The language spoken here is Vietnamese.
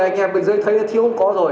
anh em bên dưới thấy thiếu không có rồi